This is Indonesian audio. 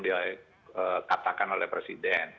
dikatakan oleh presiden